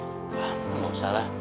ah gak usah lah